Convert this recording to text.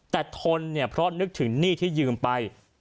แต่ทนเนี่ยเพราะนึกถึงหนี้ที่ยืมไป